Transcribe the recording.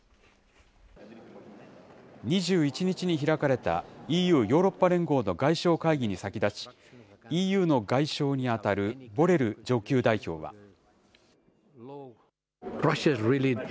２１日に開かれた、ＥＵ・ヨーロッパ連合の外相会議に先立ち、ＥＵの外相に当たるボレル上級代表は。